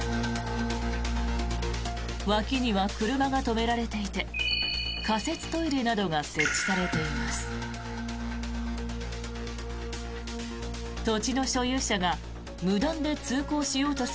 脇には車が止められていて仮設トイレなどが設置されています。